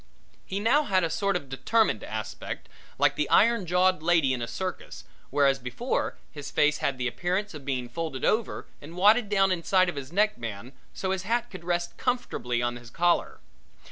He now had a sort of determined aspect like the iron jawed lady in a circus, whereas before his face had the appearance of being folded over and wadded down inside of his neck band, so his hat could rest comfortably on his collar.